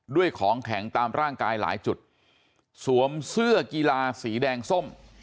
ของแข็งตามร่างกายหลายจุดสวมเสื้อกีฬาสีแดงส้ม